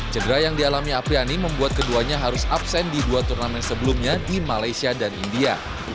cedera yang dialami apriani membuat keduanya harus absen di dua turnamen sebelumnya di malaysia dan india